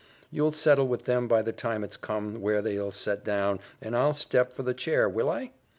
You'll settle with them by the time it's come, where they'll set down, and I'll step for the chair, will I?"